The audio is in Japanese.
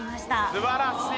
素晴らしい！